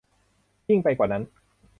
ยิ่งไปกว่านั้น